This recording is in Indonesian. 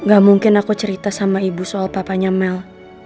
gak mungkin aku cerita sama ibu soal papanya mel